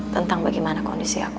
tentang bagaimana kondisi aku